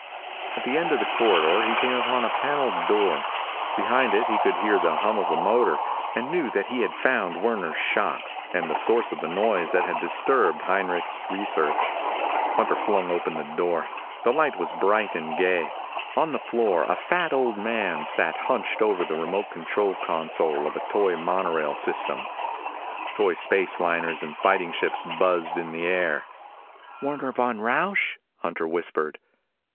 At the end of the corridor he came upon a paneled door. Behind it he could hear the hum of a motor, and knew that he had found Werner's shop, and the source of the noise that had disturbed Heinrich's research. Hunter flung open the door. The light was bright and gay. On the floor, a fat old man sat hunched over the remote control console of a toy monorail system. Toy space liners and fighting ships buzzed in the air. "Werner von Rausch?" Hunter whispered.